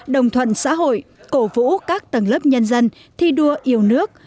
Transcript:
đồng thuận xã hội cổ vũ các tầng lớp nhân dân thi đua yêu nước